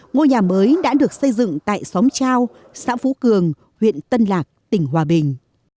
ngôi nhà mới đã được xây dựng tại xóm trao xã phú cường huyện tân lạc tỉnh hòa bình